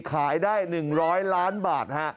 ขายได้๑๐๐ล้านบาทฮะ